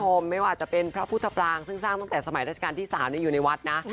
ไม่ว่าจะเป็นพระพุทธปรางซึ่งสร้างตั้งแต่สมัยราชการที่๓อยู่ในวัดนะ